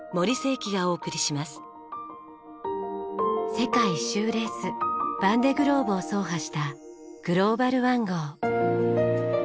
世界一周レースヴァンデ・グローブを走破したグローバル・ワン号。